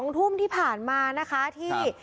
๒ทุ่มที่ผ่านมานะคะที่